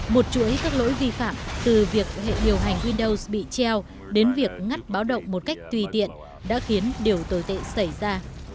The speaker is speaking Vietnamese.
một chuỗi các lỗi vi phạm từ việc hệ điều hành windows bị treo đến việc ngắt báo động một cách tùy tiện đã khiến điều tồi tệ xảy ra